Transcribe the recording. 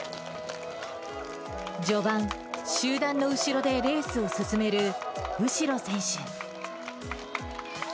序盤、集団の後ろでレースを進める右代選手。